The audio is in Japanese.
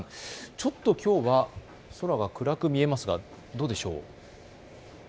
ちょっときょうは、空が暗く見えますが、どうでしょう。